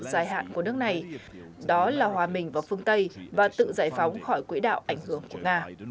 dài hạn của nước này đó là hòa mình vào phương tây và tự giải phóng khỏi quỹ đạo ảnh hưởng của nga